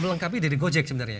melengkapi dari gojek sebenarnya